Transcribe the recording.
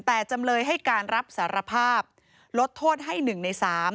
แต่จำเลยให้การรับสารภาพลดโทษให้๑ใน๓